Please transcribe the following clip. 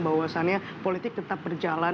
bahwasannya politik tetap berjalan